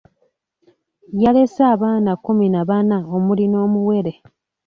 Yalese abaana kkumi na bana omuli n’omuwere.